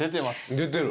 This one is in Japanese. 出てる。